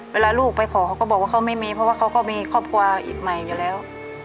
เวลาลูกไปขอเขาก็บอกว่าเขาไม่มีเพราะว่าเขาก็มีครอบครัวอีกใหม่อยู่แล้ว